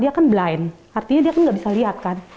dia kan blind artinya dia kan nggak bisa lihat kan